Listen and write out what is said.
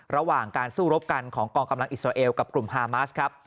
ระหว่างการสู้รบกันของกองกำลังอิสราเอลกับกลุ่มฮามาสครับ